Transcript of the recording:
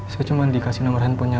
saya cuman dikasih nomer handphonenya aja